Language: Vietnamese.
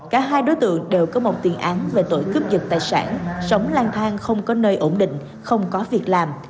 cả hai đối tượng đều có một tiền án về tội cướp giật tài sản sống lang thang không có nơi ổn định không có việc làm